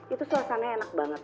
itu suasananya enak banget